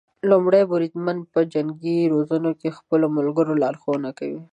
لومړی بریدمن په جنګي روزنو کې د خپلو ملګرو لارښونه کوي.